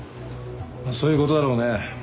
そういうことだろうね。